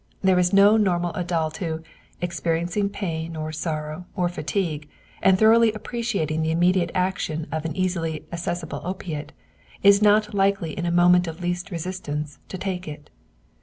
There is no normal adult who, experiencing severe pain or sorrow or fatigue, and thoroughly appreciating the immediate action of an easily accessible opiate, is not likely in a moment of least resistance to take it.